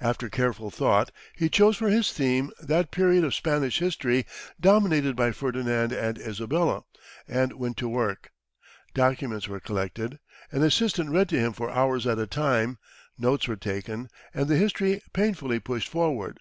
After careful thought, he chose for his theme that period of Spanish history dominated by Ferdinand and Isabella, and went to work. Documents were collected, an assistant read to him for hours at a time, notes were taken, and the history painfully pushed forward.